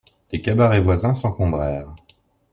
Les cabarets voisins s'encombrèrent.